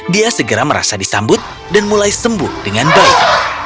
dia segera merasa disambut dan mulai sembuh dengan baik